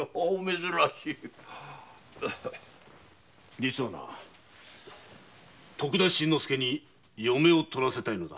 実はな徳田新之助に嫁をとらせたいのだ。